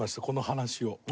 この話を。